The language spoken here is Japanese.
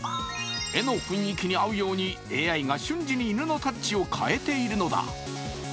絵の雰囲気に合うようにＡＩが瞬時に犬のタッチを変えているのだ。